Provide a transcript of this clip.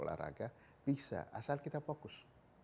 olahraga bisa asal kita fokus